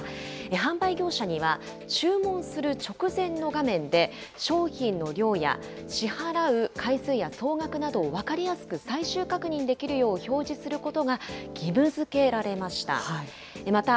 販売業者には、注文する直前の画面で、商品の量や支払う回数や総額などを分かりやすく最終確認できるよう表示することが義務づけられました。